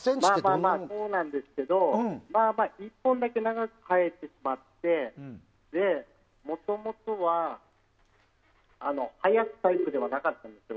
まあまあ、そうなんですけど１本だけ長く生えてしまってもともとは生やすタイプじゃなかったんですよ。